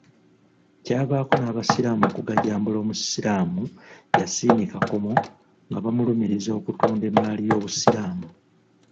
Kyavaako n'abasiraamu okugajambula Omusiraamu Yasin Kakomo nga bamulumiriza okutunda emmaali y'Obusiraamu.